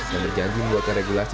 dan berjanji membuatkan regulasi